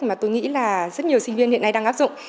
mà tôi nghĩ là rất nhiều sinh viên hiện nay đang áp dụng